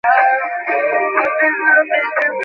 এদিকে আয় বাপ, মনস্থির করে এসে থাকলে।